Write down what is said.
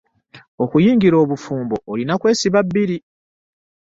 Okuyingira obufumbo olina kwesiba bbiri.